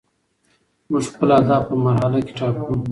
موږ خپل اهداف په مرحله کې ټاکو.